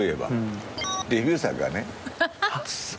デビュー作がね。ハハハ！